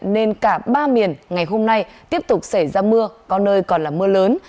nên cả ba miền ngày hôm nay tiếp tục xảy ra mưa có nơi còn là mưa lớn